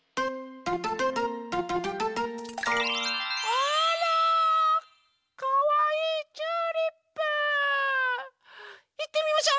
あらかわいいチューリップ！いってみましょ！